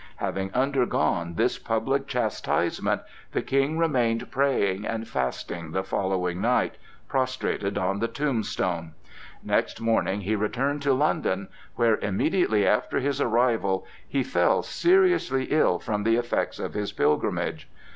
Having undergone this public chastisement, the King remained praying and fasting the following night, prostrated on the tombstone. Next morning he returned to London, where, immediately after his arrival, he fell seriously ill from the effects of his pilgrimage.